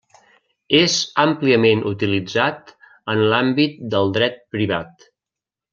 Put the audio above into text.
És àmpliament utilitzat en l'àmbit del dret privat.